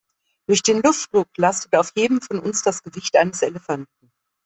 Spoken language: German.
Durch den Luftdruck lastet auf jedem von uns das Gewicht eines Elefanten.